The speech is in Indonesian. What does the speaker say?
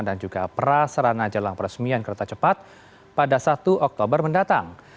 dan juga praserana jalan peresmian kereta cepat pada satu oktober mendatang